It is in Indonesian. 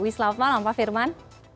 selamat malam pak firman